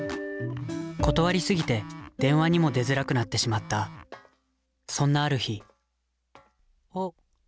断りすぎて電話にも出づらくなってしまったそんなある日あっ！